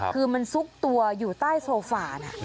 คือมันซุกตัวอยู่ใต้โซฟานะ